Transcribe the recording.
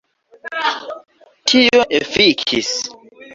Tio efikis.